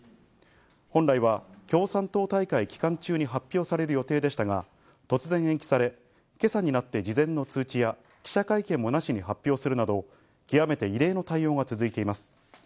本来は共産党大会期間中に発表される予定でしたが、突然、延期され、今朝になって事前の通知や記者会見もなしと発表するなど、極めて異例の対応が続いています。